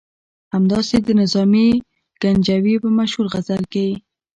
همداسې د نظامي ګنجوي په مشهور غزل کې.